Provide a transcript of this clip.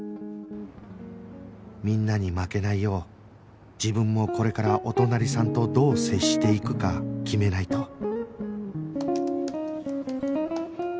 みんなに負けないよう自分もこれからお隣さんとどう接していくか決めないと